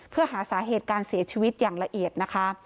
เพื่อหาสาเหตุการเสียชีวิตอย่างละเอียดนะคะ